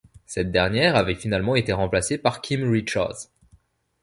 Cette dernière avait finalement été remplacée par Kim Richards.